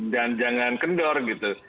dan jangan kendor gitu